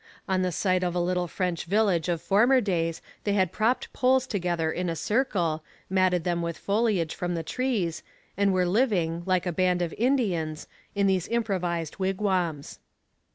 On the site of a little French village of former days they had propped poles together in a circle, matted them with foliage from the trees, and were living, like a band of Indians, in these improvised wigwams.